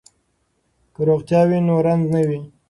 که روغتیا وي نو رنځ نه وي.